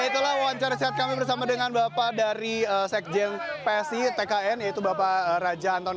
itulah wawancara saat kami bersama dengan bapak dari sekjeng psi tkn yaitu bapak raja